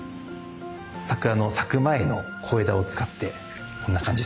桜の咲く前の小枝を使ってこんな感じです。